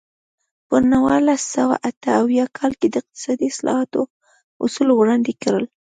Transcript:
په نولس سوه اته اویا کال کې د اقتصادي اصلاحاتو اصول وړاندې کړل.